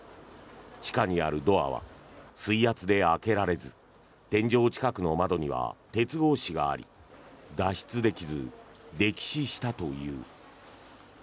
地下にあるドアは水圧で開けられず天井近くの窓には鉄格子があり脱出できず溺死したという。